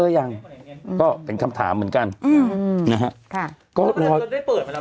ยังก็เป็นคำถามเหมือนกันอืมนะฮะค่ะก็รอจนได้เปิดมาแล้ว